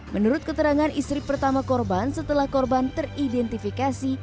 menurut keterangan istri pertama korban setelah korban teridentifikasi